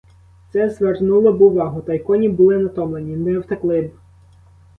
Це звернуло б увагу, та й коні були натомлені, — не втекли б!